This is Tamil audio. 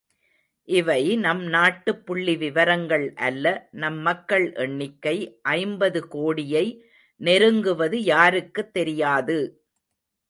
இவை நம் நாட்டுப் புள்ளி விவரங்கள் அல்ல நம் மக்கள் எண்ணிக்கை ஐம்பது கோடியை நெருங்குவது யாருக்குத் தெரியாது!